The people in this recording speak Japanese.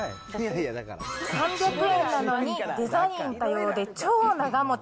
３００円なのに、デザイン多用で、超長もち。